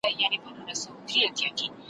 ژوند که ورته غواړې وایه وسوځه ,